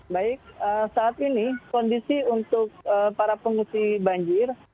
baik saat ini kondisi untuk para pengungsi banjir